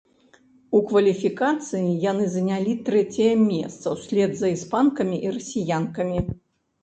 У кваліфікацыі яны занялі трэцяе месца ўслед за іспанкамі і расіянкамі.